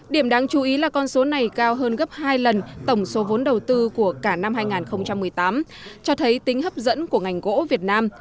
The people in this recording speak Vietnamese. điểm đáng chú ý là con số này cao hơn gấp hai lần tổng số vốn đầu tư của cả năm hai nghìn một mươi tám cho thấy tính hấp dẫn của ngành gỗ việt nam